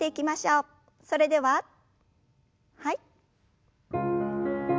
それでははい。